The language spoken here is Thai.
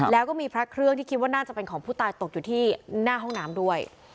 แล้วก็มีพระเครื่องที่คิดว่าน่าจะเป็นของผู้ตายตกอยู่ที่หน้าห้องน้ำด้วย